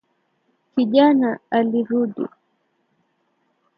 Kijana alirudi.